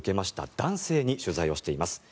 男性に取材をしています。